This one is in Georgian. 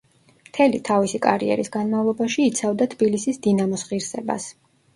მთელი თავისი კარიერის განმავლობაში იცავდა თბილისის „დინამოს“ ღირსებას.